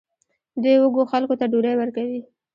دوی وږو خلکو ته ډوډۍ ورکوي.